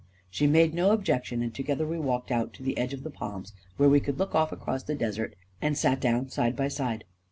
She made no objection, and together we walked out to the edge of the palms, where we could look off across the desert, and sat down side by side.